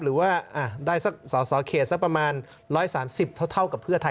หรือว่าได้สักสอสอเขตสักประมาณ๑๓๐เท่ากับเพื่อไทย